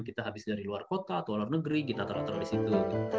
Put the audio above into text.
kita habis dari luar kota atau luar negeri kita taruh taruh di situ